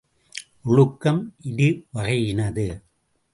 ஒழுக்கம் இரு வகையினது.